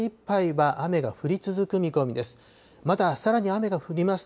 きょうの日中いっぱいは雨が降り続く見込みです。